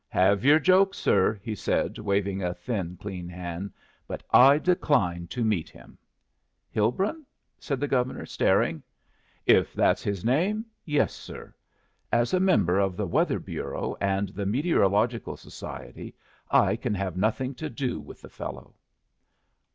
"Have your joke, sir," he said, waving a thin, clean hand, "but I decline to meet him." "Hilbrun?" said the Governor, staring. "If that's his name yes, sir. As a member of the Weather Bureau and the Meteorological Society I can have nothing to do with the fellow."